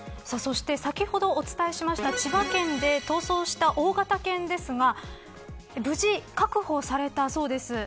そして先ほどお伝えしました千葉県で逃走した大型犬ですが無事、確保されたそうです。